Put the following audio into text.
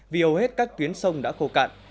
vì hầu hết các tuyến sông đã khô cạn